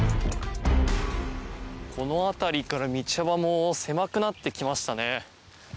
この辺りから道幅も狭くなってきましたね。